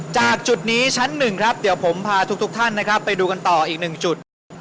จากจุดนี้ชั้นหนึ่งครับเดี๋ยวผมพาทุกท่านนะครับไปดูกันต่ออีกหนึ่งจุด